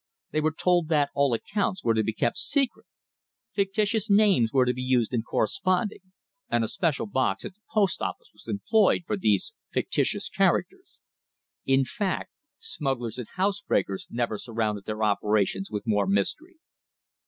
They were told that all accounts were to be kept secret. Fictitious names were to be used in corresponding, and a special box at the post office was employed for these fictitious characters. In fact, smugglers and house breakers never surrounded their operations with more mystery.